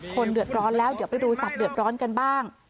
คนเดือดร้อนแล้วเดี๋ยวไปดูสัตว์เดือดร้อนกันบ้าง